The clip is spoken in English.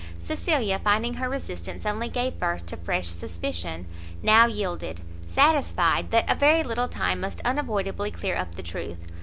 Cecilia, finding her resistance only gave birth to fresh suspicion, now yielded, satisfied that a very little time must unavoidably clear up the truth.